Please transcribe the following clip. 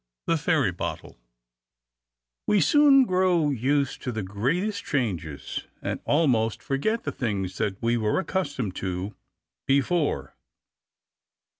The Fairy Bottle WE soon grow used to the greatest changes, and almost forget the things that we were accustomed to before.